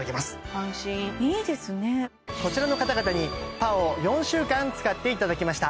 安心いいですねこちらの方々にＰＡＯを４週間使っていただきました